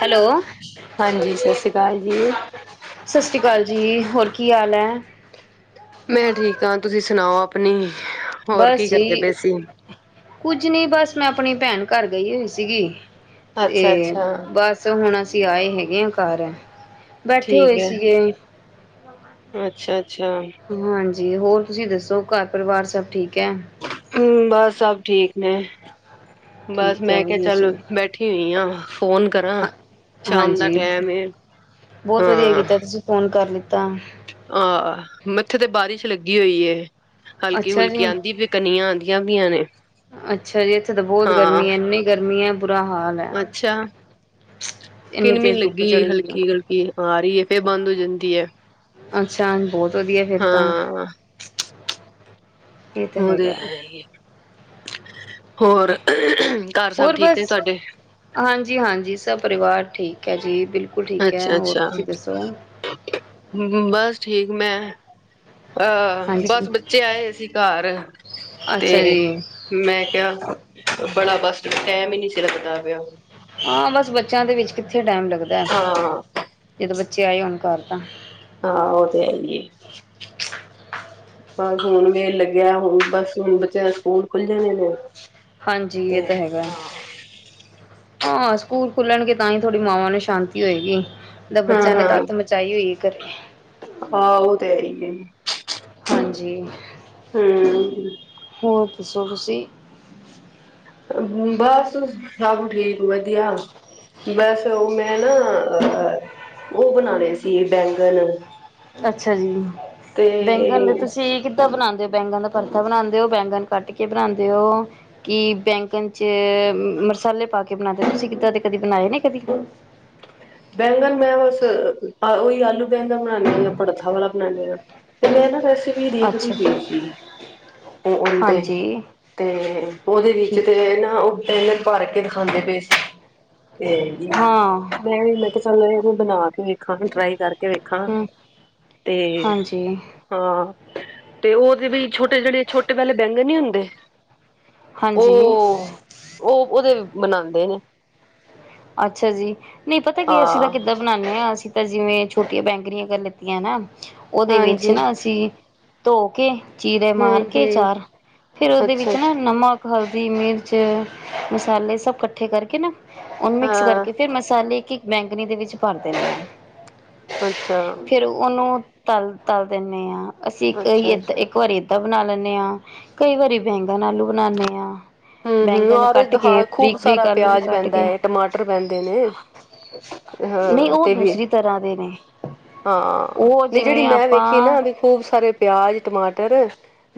Hello. ਹਾਂਜੀ ਸਤਿ ਸ੍ਰੀ ਅਕਾਲ ਜੀ। ਸਸ ਸ੍ਰੀ ਕਾਲ ਜੀ ਹੋਰ ਕੀ ਹਾਲ ਐ? ਮੈਂ ਠੀਕ ਹਾਂ, ਤੁਸੀਂ ਸੁਣਾਓ ਆਪਣੀ? ਹੋਰ ਕੀ ਬਸ ਕਰਦੇ ਜੀ। ਪਏ ਸੀ। ਕੁੱਝ ਨੀ ਬਸ ਮੈਂ ਆਪਣੀ ਭੈਣ ਘਰ ਗਈ ਹੋਈ ਸੀਗੀ ਤੇ ਅੱਛਾ ਅੱਛਾ ਬਸ ਸੋ ਹੁਣ ਅਸੀਂ ਆਏ ਹੈਗੇ ਆ ਘਰ। ਬੈਠੇ ਠੀਕ ਹੋਏ ਐ, ਸੀਗੇ ਅੱਛਾ ਅੱਛਾ। ਹਾਂਜੀ, ਹੋਰ ਤੁਸੀਂ ਦੱਸੋ ਘਰ ਪਰਿਵਾਰ ਸਭ ਠੀਕ ਐ? ਹੂੰ ਬਸ ਸਭ ਠੀਕ ਨੇ, ਬਸ ਠੀਕ ਹੈ ਮੈਂ ਕਿਹਾ ਵਧੀਆ ਚਲ ਚਲੋ ਬੈਠ ਬੈਠੀ ਹੋਈ ਆ, ਫੋਨ ਕਰਾ ਹਾਂ ਸ਼ਾਮ ਦਾ ਹਾਂਜੀ ਟੈਮ ਐ ਬਹੁਤ ਵਧੀਆ ਹਾਂ। ਕੀਤਾ ਤੁਸੀਂ ਫੋਨ ਕਰ ਲਿੱਤਾ। ਹਾਂ ਮੱਥੇ ਤੇ ਬਾਰਿਸ਼ ਲੱਗੀ ਹੋਈ ਏ। ਹਲਕੀ ਅੱਛਾ ਹੁਲਕੀ ਜੀ ਆਂਦੀ ਪਈ ਕਣੀਆਂ ਆਂਦੀਆਂ ਪਈਆਂ ਨੇ, ਅੱਛਾ ਜੀ ਇੱਥੇ ਤਾਂ ਬਹੁਤ ਹਾਂ। ਗਰਮੀ ਹੈ ਇੰਨੀ ਗਰਮੀ ਐ ਬੁਰਾ ਹਾਲ। ਹੈ ਅੱਛਾ, ਇੰਨੀ ਕਿਣਮਿਣ ਤੇਜ਼ ਧੁੱਪ ਲੱਗੀ ਚੜੀ ਹੋਈ ਹੈ ਹਲਕੀ ਹਲਕੀ। ਆ ਰਹੀ ਐ ਫੇਰ ਬੰਦ ਹੋ ਜਾਂਦੀ ਏ। ਅੱਛਾ ਬਹੁਤ ਵਧੀਆ ਫਿਰ ਤਾਂ। ਹਾਂ ਇਹ ਤਾਂ ਓ ਤੇ ਹੈਗਾ ਹੈ ਇਸ ਏ, ਹੋਰ? ਘਰ ਸਭ ਹੋਰ ਠੀਕ ਨੇ ਬਸ, ਤੁਹਾਡੇ ਹਾਂਜੀ ਹਾਂਜੀ ਸਭ ਪਰਿਵਾਰ ਠੀਕ ਐ ਜੀ ਬਿਲਕੁਲ। ਬਿਲਕੁਲ ਠੀਕ ਐ, ਅੱਛਾ ਹੋਰ ਅੱਛਾ ਤੁਸੀਂ ਦੱਸੋ? ਬਸ ਠੀਕ ਮੈਂ। ਆ ਹਾਂਜੀ ਬਸ ਬੱਚੇ ਆਏ ਹੋਏ ਸੀ ਘਰ ਤੇ ਅੱਛਾ ਜੀ ਮੈਂ ਕਿਆ ਬੜਾ ਬਸਟ ਟਾਇਮ ਹੀ ਨਹੀਂ ਸੀ ਲੱਗਦਾ ਪਿਆ। ਹਾਂ ਬਸ ਬੱਚਿਆਂ ਦੇ ਵਿੱਚ ਕਿੱਥੇ ਟੈਮ ਲੱਗਦਾ, ਹਾਂ ਜਦੋਂ ਬੱਚੇ ਆਏ ਹੋਣ ਘਰ ਤਾਂ। ਹਾਂ ਉਹ ਤੇ ਹੈ ਹੀ ਐ। ਬਸ ਹੁਣ ਵੇਹਲ ਲੱਗਿਆ ਹੁਣ ਬਸ ਹੁਣ ਬੱਚਿਆਂ ਦੇ ਸਕੂਲ ਖੁੱਲ ਜਾਣੇ ਨੇ। ਹਾਂਜੀ ਏ ਤੇ ਤਾਂ ਹੈਗਾ। ਹਾਂ ਸਕੂਲ ਖੁੱਲਣਗੇ ਤਾਂ ਹੀ ਥੋੜੀ ਮਾਵਾਂ ਨੂੰ ਸ਼ਾਂਤੀ ਹੋਏਗੀ, ਨਹੀਂ ਤਾਂ ਹਾਂ ਬੱਚਿਆਂ ਨੇ ਅੱਤ ਮਚਾਾਈ ਹੋਈ ਏ ਘਰੇ। ਹਾਂ ਉਹ ਤੇ ਹੈ ਹੀ ਐ। ਹਾਂਜੀ। ਹੂੰ। ਹੋਰ ਦਸੋ ਤੁਸੀਂ? ਬ ਹੁੰਦਾ ਸਬ ਠੀਕ। ਵਧੀਆ, ਬਸ ਉਹ ਮੈਂ ਨਾ ਅ- ਉਹ ਬਣਾਉਣੇ ਸੀ ਬੈਂਗਨ। ਅੱਛਾ ਜੀ, ਤੇ ਬੈਂਗਣ ਦੇ ਤੁਸੀਂ ਇਕ- ਕਿਤਰਾਂ ਬਣਾਉਂਦੇ ਹੋ ਬੈਂਗਣ ਦਾ ਪਰਥਾ ਬਣਾਉਂਦੇ ਹੋ ਬੈਂਗਣ ਕੱਟ ਕੇ ਬਣਾਉਂਦੇ ਹੋ? ਕਿ ਬੈਂਗਣ ਚ ਮਸਾਲੇ ਪਾ ਕੇ ਬਣਾਦੇ ਤੁਸੀਂ ਕਿੱਦਾਂ ਦੇ ਕਦੀ ਬਣਾਏ ਨੇ ਕਦੀ? ਬੈਂਗਣ ਮੈਂ ਬਸ ਉਹੀ ਆਲੂ ਬੈਂਗਣ ਬਣਾਉਦੇ ਹਾਂ ਜਾਂ ਪੜਥਾ ਵਾਲਾ ਬਣਾਉਦੇ ਹਾਂ। ਤੇ ਮੈਂ ਨਾ ਰੈਸਪੀ ਦੇਖਦੀ ਅੱਛਾ ਪਈ ਸੀ, ਓ ਉਹਂਦੇ। ਹਾਂਜੀ ਤੇ ਉਹਦੇ ਵਿੱਚ ਠੀਕ ਤੇ ਨਾ ਉਹ, ਏਹ ਭਰ ਕੇ ਦਿਖਾਂਦੇ ਪਏ ਸੀ, ਤੇ- ਹਾਂ ਮੈਂ ਵੀ ਮੈਂ ਕਿਹਾ ਚੱਲ ਇਹਨੂੰ ਬਣਾ ਕੇ ਵੇਖ- ਵੇਖਾਂ ਟਰਾਈ ਕਰਕੇ ਵੇਖਾਂ, ਹਮ ਤੇ- ਹਾਂਜੀ ਹਾਂ ਤੇ ਉਹ ਜੇੜੀ ਛੋਟੇ ਜਿਹੜੇ ਛੋਟੇ ਵਾਲੇ ਬੈਂਗਨ ਨੀ ਹੁੰਦੇ। ਹਾਂਜੀ। ਉਹ ਉਹ ਉਹਦੇ ਬਣਾਉਦੇ ਨੇ। ਅੱਛਾ ਜੀ, ਨਹੀਂ ਪਤਾ ਕੀ ਏ ਅਸੀਂ ਤਾਂ ਹਾਂ, ਕਿੱਦਾਂ ਬ- ਬਣਾਦੇ ਹਾਂ ਅਸੀਂ ਤਾਂ ਜਿਵੇਂ ਛੋਟੀਆਂ ਬੈਂਗਰੀਆਂ ਆਗਰ ਲਿੱਤੀਆਂ ਨਾ, ਉਹਦੇ ਵਿੱਚ ਹਾਂਜੀ, ਨਾ ਅਸੀਂ। ਧੋ ਕੇ ਚੀਰੇ ਮਾਰ ਕੇ ਹੂੰ-ਹੂੰ, ਚਾਰ, ਫੇਰ ਉਹਦੇ ਵਿੱਚ ਨਾ ਅੱਛਾ-ਅੱਛਾ, ਨਮਕ- ਹਲਦੀ, ਮਿਰਚ, ਮਸਾਲੇ ਸਭ ਇਕੱਠੇ ਕਰਕੇ ਨਾ ਉਹਨੂੰ ਮਿਕਸ ਹਾਂ, ਕਰਕੇ ਫੇਰ ਮਸਾਲੇ ਇੱਕ - ਇੱਕ ਬੈਂਗਣੀ ਦੇ ਵਿੱਚ ਭਰ ਦਿੰਨੇ ਐਂ। ਅੱਛਾ। ਫੇਰ ਉਹਨੂੰ ਤਲ - ਤਲ ਦਿੰਦੇ ਹਾਂ ਅਸੀਂ ਇੱਕ ਵਾਰੀ ਏਦਾਂ ਅੱਛਾ-ਅੱਛਾ। ਇੱਕ ਵਾਰੀ- ਏ ਬਣਾ ਲੈਂਦੇ ਹਾਂ, ਕਈ ਵਾਰੀ ਬੈਂਗਾਣ ਆਲੂ ਬਣਾਉਦੇ ਹਾਂ। ਹੂੰ - ਹੂੰ ਔਰ ਏਦਾਂ ਖੂਬ ਸਾਰਾ ਆਲੂ ਵੀ ਪਿਆਜ ਕੱਟ ਪੈਂਦਾ ਕੇ ਹੈ ਟਮਾਟਰ, ਟਰ ਪੈਂਦੇ ਨੇ, ਹਾਂ ਤੇ ਵੀ। ਕਰਾਰੇ ਨੇ। ਹਾਂ ਉਹ ਨਹੀਂ ਜਿਹੜੀ ਜਿਵੇਂ ਮੈਂ ਆਪਾਂ ਵੇਖੀ ਨਾ ਉਦੇ ਚ ਖੂਬ ਸਾਰੇ ਪਿਆਜ, ਟਮਾਟਰ,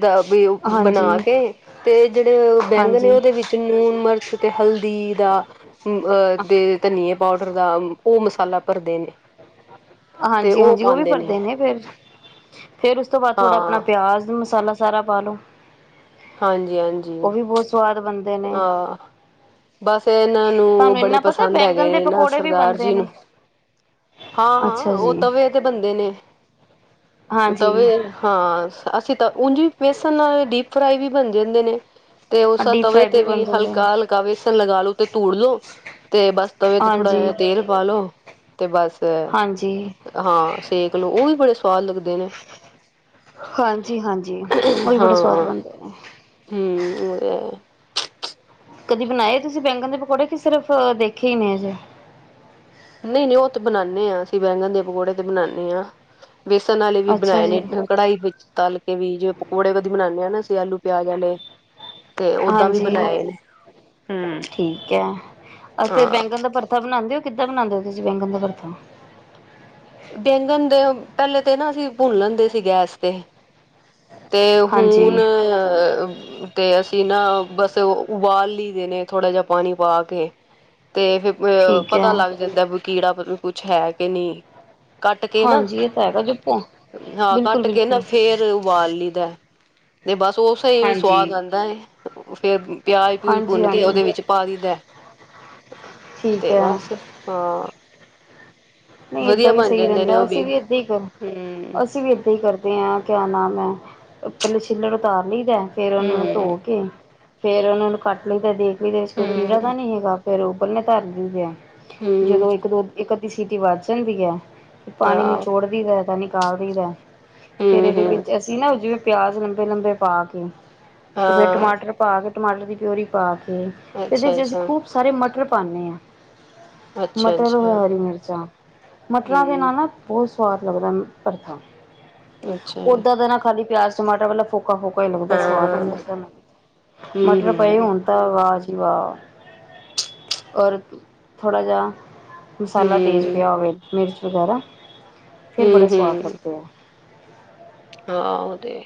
ਦਾ ਵੀ ਓ ਹਾਂਜੀ ਬਣਾ ਕੇ। ਤੇ ਜਿਹੜੇ ਬੈਂਗਣ ਨੇ ਹਾਂਜੀ ਉਹਦੇ ਵਿੱਚ ਨੂਣ, ਮਿਰਚ ਤੇ ਹਲਦੀ ਦਾ ਅੱ ਅ ਦੇ ਧਨੀਏ ਪਾਊਡਰ ਦਾ ਉਹ ਮਸਾਲਾ ਭਰਦੇ ਨੇ। ਹਾਂਜੀ - ਹਾਂਜੀ ਉਹ ਵੀ ਭਰਦੇ ਨੇ ਫੇਰ, ਫੇਰ ਉਸ ਤੋਂ ਬਾਅਦ ਥੋੜਾ ਆਪਣਾ ਹਾਂ, ਪਿਆਜ ਮਸਾਲਾ, ਸਾਰਾ ਪਾਲੋ। ਹਾਂਜੀ - ਹਾਂਜੀ। ਸਵਾਦ ਬਣਦਾ। ਆਹ। ਬਸ ਇਹਨਾਂ ਨੂੰ ਤੁਹਾਨੂੰ ਬੜੇ ਇੰਨਾ ਪਤਾ ਪਸੰਦ ਹੈਗੇ ਬੈਂਗਣ ਦੇ ਨੇ ਨਾ ਪਕੌੜੇ ਵੀ ਸਰਦਾਰ ਬਣਦੇ ਜੀ ਨੂੰ। ਨੇ ਹਾਂ - ਹਾਂ ਅੱਛਾ ਉਹ ਜੀ ਤਵੇ ਤੇ ਬੰਦੇ ਨੇ, ਹਾਂਜੀ ਤਵੇ- ਹਾਂ ਅਸੀਂ ਤਾਂ ਉਂਝ ਵੀ ਬੇਸਣ ਨਾਲ ਡੀਪ ਫਰਾਈ ਵੀ ਬਣ ਜਾਂਦੇ ਨੇ, ਤੇ ਉਹ ਸਤ- ਡੀਪ ਤਵੇ ਫਰਾਈ ਤੇ ਬਣ ਵੀ ਜਾਂਦੇ ਨੇ ਹਲਕਾ - ਹਲਕਾ ਵੇਸਣ ਲਗਾ ਲੋ ਤੇ ਤੂੜ ਲੋ, ਤੇ ਬਸ ਤਵੇ ਤੇ ਥੋੜਾ ਹਾਂਜੀ ਜੇ ਤੇਲ। ਪਾ ਲੋ ਤੇ ਬਸ ਹਾਂਜੀ ਹਾਂ ਸੇਕ ਲਓ ਉਹ ਵੀ ਬੜੇ ਸਵਾਦ ਲੱਗਦੇ ਨੇ। ਹਾਂਜੀ - ਹਾਂਜੀ ਉਹਹੀ ਬੜੇ ਸਵਾਦ ਹਾਂ ਬਣਦੇ ਨੇ। ਹੂੰ [unintelligible] ਕਦੀ ਬਣਾਏ ਤੁਸੀ ਬੈਂਗਣ ਦੇ ਪਕੌੜੇ ਕੀ ਸਿਰਫ ਦੇਖੇ ਹੀ ਨੇ ਅਜੇ? ਨਈਂ-ਨਈਂ ਓਤੇ ਬਨਾਂਨੇ ਆਂ ਅਸੀ ਬੈਂਗਣ ਦੇ ਪਕੌੜੇ ਤੇ ਬਨਾਨੇ ਆਂ, ਵੇਸਨ ਵਾਲੇ ਵੀ ਅੱਛਾ ਬਨਾਏ ਜੀ ਨੇ। ਕੜਾਈ ਵਿੱਚ ਤੱਲ ਕੇ ਵੀ ਜਿਵੇ ਪਕੌੜੇ ਵੀ ਬਨਾਨੇ ਆਂ ਨਾ ਅਸੀ ਆਲੂ-ਪਿਆਜ ਆਲੇ। ਤੇ ਓਦਾਂ ਵੀ ਬਨਾਏ ਨੇ। ਠੀਕੈ ਤੇ ਹਾਂ ਬੈਂਗਣ ਦਾ ਪੜਥਾ ਬਨਾਂਦੇ ਓ ਕਿਦਾਂ ਬਨਾਂਦੇਓ ਤੁਸੀ ਬੈਂਗਣ ਦਾ ਪੜਥਾ? ਬੈਂਗਣ ਦੇ ਪੈਲੇ ਤੇ ਨਾ ਅਸੀ ਭੁੰਨ ਲੈਂਦੇ ਸੀ ਗੈਸ ਤੇ ਤੇ ਹੁਨ ਹਾਂਜੀ ਤੇ ਅਸੀ ਨਾ ਬਸ ਉਬਾਲ ਲਈ ਦੇਨੇ ਥੋੜ੍ਹਾ ਜੇਆ ਪਾਨੀ ਪਾ ਕੇ। ਤੇ ਫੇਰ ਠੀਕ ਹੈ ਪਤਾ ਲੱਗ ਜਾਂਦੈ ਵੀ ਕੀੜਾ ਕੁਛ ਹੈ ਕਿ ਨੀਂ। ਕੱਟ ਕੇ ਨਾ ਹਾਂਜੀ ਇਹ ਤਾਂ ਹੈਗਾ ਜੋ ਭੋ ਹਾਂ, ਬਿਲਕੁਲ ਕੱਟ ਕੇ ਨਾ ਬਿਲਕੁਲ ਫੇਰ ਉਬਾਲ ਲਈਦਾ ਤੇ ਬਸ ਉਸਾਈ ਹਾਂਜੀ ਸਵਾਦ ਆਂਦਾ ਏ ਫੇਰ। ਪਿਆਜ-ਪਊਜ ਹਾਂਜੀ ਭੁੰਨ ਕੇ ਹਾਂਜੀ ਓਦੇ ਵਿੱਚ ਪਾ ਦਈਦੈ ਠੀਕ ਤੇ ਹੈ ਬਸ, ਹਾਂ। ਨਈਂ ਵਧੀਆ ਏਦਾਂ ਵੀ ਬਣ ਸਈ ਜਾਂਦੇ ਨੇ ਰੈਂਦਾ। ਉਹ ਅਸੀ ਵੀ ਏਦਾਂ ਈ ਕਰ ਹੂੰ, ਅਸੀ ਵੀ ਏਦਾਂ ਈਂ ਕਰਦੇ। ਕਿਆ ਨਾਮ ਏ ਪੈਲੇ ਛਿੱਲੜ ਉਤਾਰ ਲਈ ਦਾ ਫੇਰ ਹੂੰ, ਓਨੂੰ ਹੂੰ। ਧੋਕੇ ਫੇਰ ਓਨਾ ਨੂੰ ਕੱਟ ਲਈਦੈ ਤੇ ਦੇਖ ਲਈਦੈ ਤੇ ਕੋਈ ਕੀੜਾ ਤਾਂ ਨਈਂ ਹੈਗਾ ਫੇਰ ਉਬਲਨੇ ਧਰ ਦਈ ਦੇ ਐ। ਹੂੰ ਜਦੋਂ ਇੱਕ ਦੋ ਇੱਕ ਅੱਧੀ ਸੀਟੀ ਵੱਜ ਜਾਂਦੀ ਐ ਤੇ ਪਾਣੀ ਹਾਂ, ਨੀਚੋੜ ਨਿਕਾਲ ਦਈਦੈ ਫੇਰ ਹੂੰ, ਏਦੇ ਹੂੰ ਵਿੱਚ ਸੀ ਨਾ ਓ ਜਿਵੇਂ ਪਿਆਜ ਲੰਬੇ-ਲੰਬੇ ਪਾਕੇ, ਤੇ ਫੇਰ ਹਾਂ ਟਮਾਟਰ ਪਾ ਕੇ ਟਮਾਟਰ ਦੀ ਪਿਓਰੀ ਪਾਕੇ ਈਦੇ ਚ ਅਸੀ ਅੱਛਾ-ਅੱਛਾ। ਖੂਬ ਸਾਰੇ ਮਟਰ ਪਾਨੇ ਆਂ। ਮਟਰ ਅੱਛਾ-ਅੱਛਾ ਹੋਰ ਹਰੀ ਮਿਰਚ। ਮਟਰਾਂ ਦੇ ਹੂੰ ਨਾਲ ਨਾ ਬੋਤ ਸਵਾਦ ਲੱਗਦਾ ਪਰਥਾ। ਅੱਛਾ ਓਦਾਂ ਦਾ ਨਾ ਖਾਲੀ ਪਿਆਜ-ਟਮਾਟਰ ਵਾਲਾ ਫੁਕ ਫੋਕਾ-ਫੋਕਾ ਈ ਹਮ ਅੱਛਾ ਲੱਗਦੈ ਸਵਾਦ ਨਈਂ ਹਾਂ। ਲੱਗਦੈ ਹੂੰ, ਮਟਰ ਪਏ ਹੂੰ, ਹੋਣ ਤਾਂ ਵਾ ਜੀ ਵਾ, ਔਰ ਥੋੜਾ ਜੇਆ ਮਸਾਲਾ ਤੇਜ਼ ਹੂੰ, ਪਿਆ ਹੋਵੇ ਮਿਰਚ ਵਗੈਰਾ ਫੇਰ ਬੜੇ ਹੂੰ, ਸਵਾਦ ਹੂੰ ਲੱਗਦੇ ਐ। ਹਾਂ ਓ ਤੇ ਹੈਈ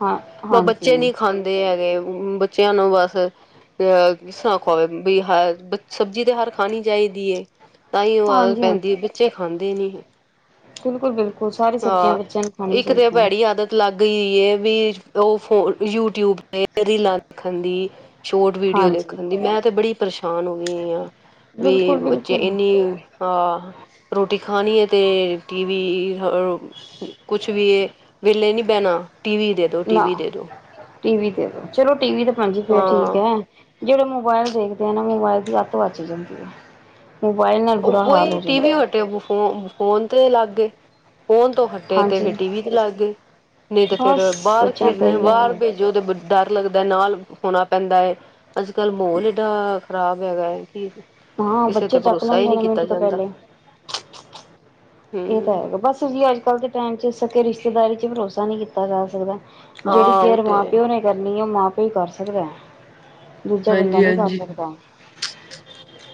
ਹਾਂ ਬਸ ਹਾਂਜੀ ਬੱਚੇ ਨੀਂ ਖਾਂਦੇ। ਦੇ ਹੈਗੇ ਬੱਚੇਆਂ ਨੂੰ ਬਸ ਅ ਖਾਵੇ ਬ ਹ ਸਬਜੀ ਤੇ ਹਰ ਖਾਣੀ ਚਾਈਦੀਐ। ਤਾਂਈਓ ਆਦਤ ਹਾਂਜੀ ਪੈਂਦੀ ਐ, ਬੱਚੇ ਖਾਂਦੇ ਨੀ। ਬਿਲਕੁਲ-ਬਿਲਕੁਲ ਸਾਰੀ ਸਬਜ਼ੀਆਂ ਹਾਂ। ਬੱਚਿਆਂ ਨੂੰ ਖਾਨੀਆਂ ਇੱਕ ਤੇ ਚਾਈਦੀਐ। ਭੈੜੀ ਆਦਤ ਲੱਗ ਹੀਈ ਐ ਵੀ ਓ ਫੋ ਯੂਟਿਊਬ ਤੇ ਰੀਲਾਂ ਦੇਖਣ ਦੀ। ਸ਼ੋਰਟ ਵੀਡੀਓ ਹਾਂਜੀ ਦੇਖਣ ਦੀ। ਮੈਂ ਤੇ ਬੜੀ ਪਰੇਸ਼ਾਨ ਹੋ ਗਈ ਆ ਵੀ ਬਿਲਕੁਲ ਬੱਚੇ ਬਿਲਕੁਲ ਏਨੀ ਆਹ ਰੋਟੀ ਖਾਨੀ ਆ ਤੇ ਟੀਵੀ ਕੁਛ ਵੀ ਏ ਵੇਲੇ ਨੀ ਬੈਨਾਂ ਟੀਵੀ ਦੇਦੋ ਟੀਵੀ ਦੇਦੋ। ਟੀਵੀ ਤੇ ਚਲੋ ਟੀਵੀ ਦੇਖ ਖਾਨੀ ਤੇ ਫੇਰ ਹਾਂ। ਠੀਕੈ ਜੇ ੜੋਂ ਮੋਬਾਇਲ ਦੇਖਦੇ ਆ ਨਾ ਮੋਬਾਇਲ ਦੀ ਅੱਤ ਵੱਜ ਜਾਂਦੀਏ। ਮੋਬਾਈਲ ਓਈਂ ਟੀਵੀਓ ਹਟੇ ਫੋਨ ਤੇ ਲੱਗਏ। ਫੋਨ ਤੋਂ ਹੱਟੇ ਤੇ ਹਾਂਜੀ ਫੇਰ ਟੀਵੀ ਤੇ ਲੱਗ ਗਏ। ਨਈਂ ਤੇ ਫੇਰ ਬਸ ਬਾਰ ਬੱਚਿਆਂ ਦਾ ਖੇਡਦੇ ਹੀ ਹਾਲ ਬਾਰ ਹੈ ਭੇਜੋ ਤੇ ਡਰ ਲੱਗਦੈ ਨਾਲ ਹੋਣਾ ਪੈਦੈ, ਅੱਜ-ਕੱਲ ਮੋਲ ਏਡਾ ਖਰਾਬ ਹੈਗਾ ਕੀ ਹਾਂ ਬੱਚੇ ਚੱਕ ਲੈਂਦੇ ਨੇ ਮਿੰਟ ਤੋਂ ਪੈਲੇ। ਈਤਾਂ ਹਮ ਹੈਗਾ ਬਸ ਜੀ ਅੱਜ-ਕੱਲ ਦੇ ਟਾਈਮ ਚ ਸਕੇ ਰਿਸ਼ਤੇਦਾਰੀ ਚ ਭਰੋਸਾ ਨੀਂ ਕੀਤਾ ਜਾ ਸਕਦਾ। ਜੇੜੀ ਹਾਂ ਉਹ ਕੇਅਰ ਤੇ ਹੈ। ਮਾਂ-ਪਿਓ ਨੇ ਕਰਨੀ ਐ ਓ ਮਾਂ-ਪਿਓ ਈ ਕਰ ਸਕਦਾ ਐ। ਦੂਜਾ ਬੰਦਾ ਹਾਂਜੀ ਨੀ ਕਰ ਹਾਂਜੀ ਸਕਦਾ,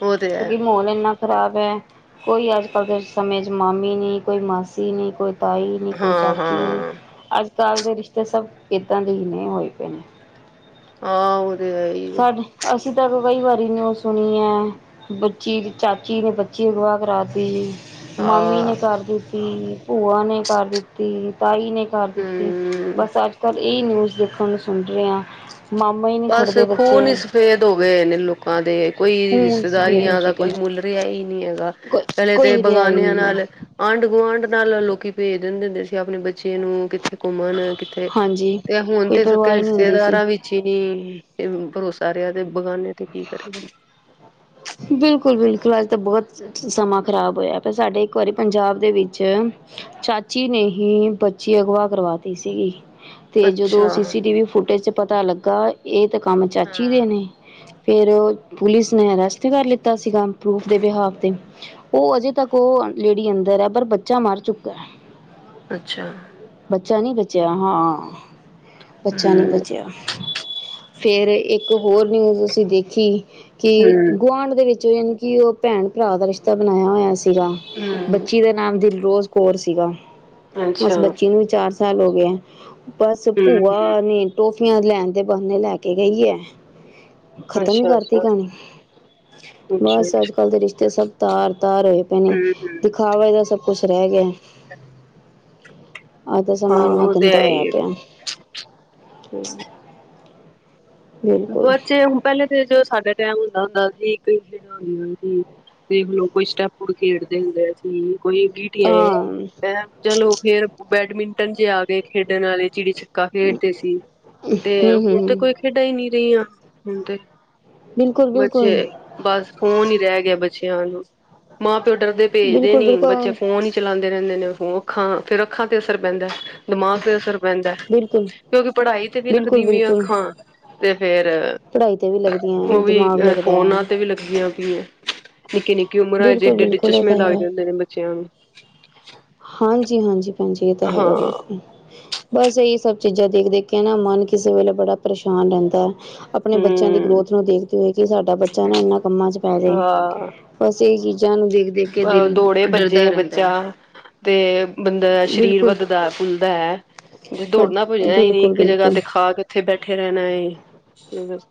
ਉਹ ਤੇ ਹੈ ਕਿਓਂਕਿ ਮੌਲ ਇੰਨਾ ਖਰਾਬ ਐ ਕੋਈ ਅੱਜ-ਕੱਲ ਦੇ ਸਮੇਂ ਚ ਮਾਮੀ ਨੀ ਕੋਈ ਮਾਸੀ ਨੀ ਕੋਈ ਤਾਈ ਨੀ ਕੋਈ ਹਾਂ ਚਾਚੀ ਨੀ ਹਾਂ ਅੱਜ-ਕੱਲ ਦੇ ਰਿਸ਼ਤੇ ਸਬ ਏਦਾਂ ਦੇ ਈ ਨੇ ਹੋਏ ਪਏ ਨੇ। ਹਾਂ ਹੁ ਸਾਡੇ ਅਸੀਂ ਤਾਂ ਕਈ ਵਾਰੀ ਨਿਊਜ਼ ਸੁਨੀ ਐ ਬੱਚੀ ਦੀ ਚਾਚੀ ਨੇ ਬੱਚੀ ਅਗਵਾ ਕਰਾਤੀ ਜੀ। ਮਾਮੀ ਹਾਂ ਨੇ ਕਰ ਦਿੱਤੀ, ਭੂਆ ਨੇ ਕਰ ਦਿੱਤੀ, ਤਾਈ ਨੇ ਕਰ ਦਿੱਤੀ। ਹਮ ਬਸ ਅੱਜ-ਕੱਲ ਏ ਨਿਊਜ਼ ਦੇਖਨ ਨੂੰ ਸੁਨ ਰਏ ਆਂ ਮਾਮਾ ਈ ਨੀ ਬਸ ਛੱਡਦੇ ਬੱ ਖੂਨ ਈ ਸਫੇਦ ਹੋ ਗਏ ਨੇ ਲੋਕਾਂ ਦੇ ਕੋਈ ਹੁਣ ਸਵੇਰ ਹੋ ਰਿਸ਼ਤੇਦਾਰੀਆਂ ਦਾ ਚੁੱਕੇ ਕੋਈ ਨੇ ਮੁੱਲ ਰਿਆ ਈ ਨੀ ਹੈਗਾ। ਕੋ ਪੈਲੇ ਤੇ ਕੋਈ ਰਿਹਾ ਹੀ ਬਗਾਨੇਆਂ ਨਹੀਂ ਹੈ ਨਾਲ ਆਂਢ-ਗੁਆਂਢ ਨਾਲ ਲੋਕੀ ਭੇਜ ਦਿੰਦੇ ਹੁੰਦੇ ਸੀ ਆਪਨੇ ਬ ਬੱਚੇ ਨੂੰ ਕਿੱਥੇ ਘੁੰਮਨ ਕਿੱਥੇ ਹਾਂਜੀ ਤੇ ਹੁਨ ਕੋਈ ਤੇ ਸਕੇ ਪਰਵਾਹ ਹੀ ਨਹੀਂ ਹੁੰਦੀ ਸੀ ਰਿਸ਼ਤੇਦਾਰਾਂ ਵਿੱਚ ਹੀ ਨੀ ਭਰੋਸਾ ਰਿਆ ਤੇ ਬਗਾਨੇ ਤੇ ਕੀ ਕਰੇ ਬੰਦਾ। ਬਿਲਕੁਲ-ਬਿਲਕੁਲ ਅੱਜ ਤੇ ਬਗਤ ਸਮਾਂ ਖਰਾਬ ਹੋਏਆ ਪਿਆ ਸਾਡੇ ਇੱਕ ਵਾਰੀ ਪੰਜਾਬ ਦੇ ਵਿੱਚ ਚਾਚੀ ਨੇ ਹੀ ਬੱਚੀ ਅਗਵਾ ਕਰਵਾਤੀ ਸੀਗੀ। ਤੇ ਜਦੋਂ ਅੱਛਾ ਸੀ ਸੀ ਟੀ ਵੀ ਫੁਟੇਜ ਚ ਪਤਾ ਲੱਗਾ ਏ ਤੇ ਕੰਮ ਚਾਚੀ ਦੇ ਹਾਂ ਨੇ। ਫੇਰ ਓ ਪੁਲਿਸ ਨੇ ਅਰੈਸਟ ਕਰ ਲਿੱਤਾ ਸੀਗਾ ਪਰੂਫ ਦੇ ਬਿਹਾਫ ਤੇ। ਓ ਅਜੇ ਤੱਕ ਓ ਲੇਡੀ ਅੰਦਰ ਐ ਪਰ ਬੱਚਾ ਮਰ ਚੁੱਕਾ ਐ। ਅੱਛਾ। ਬੱਚਾ ਨੀ ਬਚੇਆ, ਹਾਂ ਬੱਚਾ ਨੀ ਹਮ ਬਚੇਆ। ਫੇਰ ਇੱਕ ਹੋਰ ਨਿਊਜ਼ ਅਸੀਂ ਦੇਖੀ ਕਿ ਹਮ ਗੁਆਂਢ ਦੇ ਵਿੱਚ ਯਾਨੀ ਕਿ ਓ ਭੈਨ-ਭਰਾ ਦਾ ਰਿਸ਼ਤਾ ਬਨਾਯੇਆ ਹੋਏਆ ਸੀਗਾ ਹੂੰ। ਬੱਚੀ ਦਾ ਨਾਮ ਦਿਲ ਰੋਜ਼ ਕੌਰ ਸੀਗਾ ਅੱਛਾ ਉਸ ਬੱਚੀ ਨੂੰ ਵੀ ਚਾਰ ਸਾਲ ਹੋ ਗੇਐਂ। ਬਸ ਹਮ ਹਮ ਭੂਆ ਨੇ ਟੋਫੀਆਂ ਲੈਨ ਦੇ ਬਹਾਨੇ ਲੈ ਕੇ ਗਈ ਐ ਖਤਮ ਈ ਅੱਛਾ ਕਰਤੀ ਅੱਛਾ ਕਹਾਣੀ। ਅੱਛਾ ਬਸ ਅੱਛਾ ਅੱਜ-ਕੱਲ ਦੇ ਰਿਸ਼ਤੇ ਸਬ ਤਾਰ-ਤਾਰ ਹੋਏ ਪਏ ਨੇ ਦਿਖਾਵੇ ਦਾ ਸਬ ਕੁਸ ਰੈ ਗੇ ਐ। - [inaudible] ਅੱਜ ਦਾ ਹਾਂ ਸਮਾਂ ਇੰਨਾ ਓ ਤੇ ਹੈ ਗੰਦਾ ਹੋਇਆ ਈ ਐ, ਪਿਆ ਹੂੰ। ਬਿਲਕੁਲ ਬੱਚੇ ਹੁਨ ਪੈਲੇ ਤੇ ਜਦੋ ਸਾਡਾ ਟੈਮ ਹੁੰਦਾ-ਹੁੰਦਾ ਸੀ ਕਈ ਖੇਡਾਂ ਹੁੰਦੀਆਂ ਸੀ। ਤੇ ਹੁਨ ਲੋਕ ਕੋਈ ਸਟੈਪੋਡ ਖੇਡਦੇ ਹੁੰਦੇ ਸੀ ਕੋਈ ਗੀ- ਟੇ ਹਾਂ ਹੈਂ ਚਲੋ ਫੇਰ ਬੈਡਮਿੰਟਨ ਚ ਆ ਗੇ ਖੇਡਨ ਵਾਲੇ ਚਿੜੀ ਛ ਪਾ ਖੇਡਦੇ ਸੀ ਤੇ ਹੂੰ ਹੂੰ ਹੁਨ ਤੇ ਹੂੰ ਕੋਈ ਖੇਡਾਂ ਈ ਨਈਂ ਰਈਆਂ ਹੁਨ ਤੇ ਬਿਲਕੁਲ ਬਿਲਕੁਲ ਬੱਚੇ ਬਸ ਫੋਨ ਈ ਰੈ ਗਿਆ ਬੱਚੇਆਂ ਨੂੰ। ਮਾਂ-ਪਿਓ ਡਰਦੇ ਭੇਜਦੇ ਬਿਲਕੁਲ ਨੀ ਬੱਚੇ ਬਿਲਕੁਲ ਫੋਨ ਈ ਚਲਾਂਦੇ ਰੈਂਦੇ ਨੇ ਫੋ ਅੱਖਾਂ ਫਿਰ ਅੱਖਾਂ ਤੇ ਅਸਰ ਪੈਂਦੈ ਦਿਮਾਗ ਤੇ ਅਸਰ ਪੈਂਦੈ। ਬਿਲਕੁਲ ਕਿਉਂਕਿ ਪੜਾਈ ਤੇ ਵੀ ਬਿਲਕੁਲ ਲਖਦੀ ਮਈ ਅੱਖਾਂ ਤੇ ਫੇਰ- ਪੜਾਈ ਵੀ ਲਗ ਓ ਵੀ ਫੋਨਾਂ ਤੇ ਵੀ ਲਗਦੀਆਂ ਪਈਆਂ ਨਿੱਕੀ-ਨਿੱਕੀ ਉਮਰਾ ਚ ਬਿਲਕੁਲ ਏਡੇ-ਏਡੇ ਚਸ਼ਮੇ ਲਗ ਜਾਂਦੇ ਨੇ ਬੱਚੇਆਂ ਨੂੰ। ਹਾਂਜੀ-ਹਾਂਜੀ ਭੈਨਜੀ ਏ ਤਾਂ ਹੈਗਾ ਹਾਂ ਬਿਲਕੁਲ। ਬਸ ਏਈ ਸਬ ਚੀਜ਼ਾਂ ਦੇਖ-ਦੇਖ ਕੇ ਨਾ ਮਨ ਕਿਸੇ ਵੇਲੇ ਬੜਾ ਪਰੇਸ਼ਾਨ ਰੈਂਦਾ ਐਂ ਆ ਆਪਨੇ ਬੱਚੇਆਂ ਦੀ ਹੂੰ ਗਰੋਥ ਨੂੰ ਦੇਖਦੇ ਹੋਏ ਕਿ ਸਾਡਾ ਬੱਚਾ ਨਾ ਇੰਨਾਂ ਕੰਮਾਂ ਚ ਪੈ ਰੇ ਐ। ਬਸ ਇਹ ਚੀਜ਼ਾਂ ਨੂੰ ਦੇਖਦੇ- ਅ ਦੌੜੇ ਭੱਜੇ ਬੱਚਾ ਤੇ- ਬੰਦਾ ਦਾ ਸਰੀਰ ਬਿਲਕੁਲ ਵੱਗਦਾ ਫੁੱਲਦਾ ਹੈ ਜੇ ਦੌੜਨਾ ਭੱਜਣਾ ਹੀ ਨੀ ਬਿਲਕੁਲ ਇੱਕ ਜਗਾ ਬਿਲਕੁਲ ਤੇ ਖਾ ਕੇ- ਉੱਥੇ ਬੈਠੇ ਰਹਿਣਾ ਏ ਤੇ ਬਸ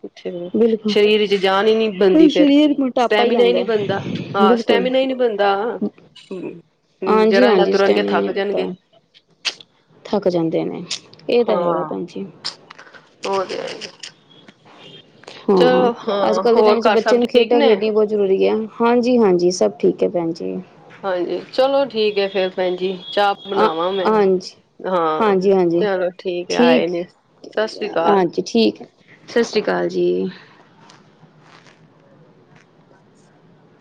ਬਿਲਕੁਲ ਸਰੀਰ ਚ ਜਾਨ ਹੀ ਨਹੀਂ ਉਹ ਬਣਦੀ ਫੇਰ ਸਰੀਰ ਮੋਟਾਪਾ ਸਟੈਮੀਨਾ ਹੀ ਆਉਂਦਾ ਨਹੀਂ ਬਣਦਾ ਹਾਂ ਬਿਲਕੁਲ ਸਟੈਮੀਨਾ ਹੀ ਨਹੀਂ ਬਣਦਾ ਹਾਂਜੀ ਜਰਾ ਇਹ ਨਾ ਹਾਂਜੀ ਤੁਰਨਗੇ ਸਟੈਮਿਨਾ ਥੱਕ ਨਹੀਂ ਜਾਣਗੇ- ਵੱਧਦਾ ਥੱਕ ਜਾਂਦੇ ਨੇ- ਇਹ ਤਾਂ ਹੈਗਾ ਹਾਂ ਭੈਣ ਜੀ ਉਹ ਤੇ ਹੈ ਈ ਹਾਂ ਚਲੋ ਹਾਂ ਹੋਰ ਘਰ ਸਭ ਠੀਕ ਨੇ- ਜਰੂਰੀ ਐ, ਹਾਂਜੀ-ਹਾਂਜੀ ਸਬ ਠੀਕ ਐ ਭੈਨ ਜੀ। ਹਾਂਜੀ, ਚਲੋ ਠੀਕ ਏ ਫੇਰ ਭੈਨ ਜੀ ਚਾਅ ਆ ਬਣਾਵਾਂ ਮੈਂ, ਹਾਂਜੀ ਹਾਂ ਹਾਂਜੀ ਹਾਂਜੀ ਚਲੋ ਠੀਕ ਏ ਆਏ ਨੇ, ਸਤਿ ਸ੍ਰੀ ਅਕਾਲ ਹਾਂਜੀ, ਠੀਕ ਏ। ਸਤਿ ਸ੍ਰੀ ਅਕਾਲ ਜੀ